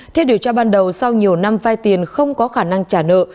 theo điều tra ban đầu sau nhiều năm vai tiền không có khả năng trả nợ